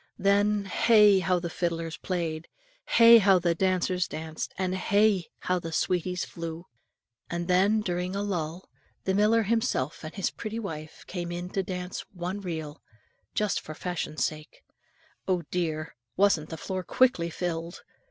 Then, hey! how the fiddlers played! Hey! how the dancers danced! and hey! how the sweeties flew! And when, during a lull, the miller himself and his pretty wife came in to dance one reel, just for fashion sake, oh, dear! wasn't the floor quickly filled?